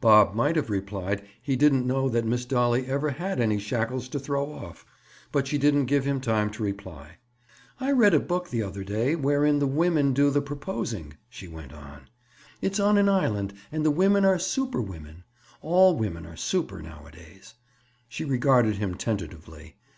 Bob might have replied he didn't know that Miss Dolly ever had had any shackles to throw off, but she didn't give him time to reply. "I read a book the other day wherein the women do the proposing," she went on. "It's on an island and the women are 'superwomen.' All women are 'super' nowadays." She regarded him tentatively.